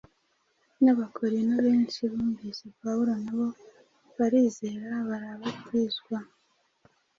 n’Abakorinto benshi bumvise Pawulo na bo barizera barabatizwa.”